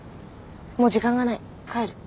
もう時間がない。